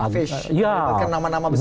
digfish nama nama besar